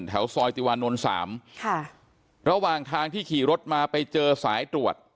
แถวซอยติวานนท์สามค่ะระหว่างทางที่ขี่รถมาไปเจอสายตรวจ